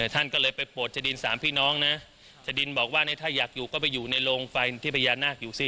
ท่านก็เลยไปโปรดชะดินสามพี่น้องนะชะดินบอกว่าถ้าอยากอยู่ก็ไปอยู่ในโรงไฟที่พญานาคอยู่สิ